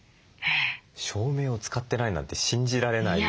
照明を使ってないなんて信じられないような。